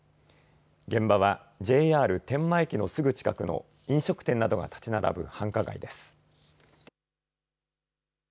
現場はＪＲ天満駅のすぐ近くの飲食店などが建ち並ぶ繁華街です。